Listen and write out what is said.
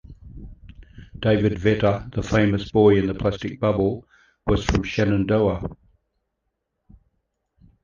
David Vetter, the famous "boy in the plastic bubble", was from Shenandoah.